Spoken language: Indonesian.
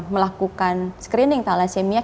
melakukan screening thalassemia